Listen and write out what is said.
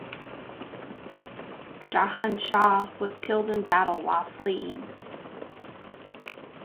Jahan Shah was killed in battle while fleeing.